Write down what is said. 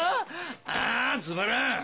あつまらん。